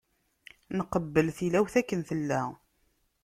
Nqebbel tilawt akken tella.